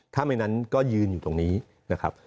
ถ้าไม่นั้นก็ยืนอยู่ตรงนี้นะครับ